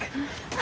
あ。